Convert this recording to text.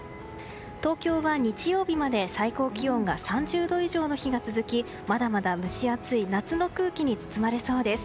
東京は日曜日まで最高気温が３０度以上の日が続きまだまだ蒸し暑い夏の空気に包まれそうです。